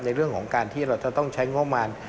ในเรื่องของการที่เราจะต้องใช้งบประมาณ